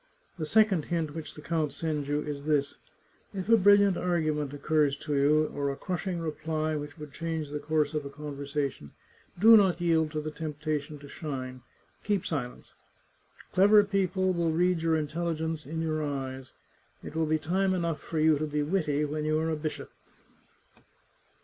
The second hint which the count sends you is this: If a brilliant argument occurs to you, or a crushing reply which would change the course of a conversation, do not yield to the temptation to shine ; keep silence. Clever people will read your intelligence in your eyes. It will be time enough for you to be witty when you are a bishop."